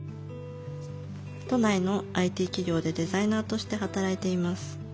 都内のＩＴ企業でデザイナーとして働いています。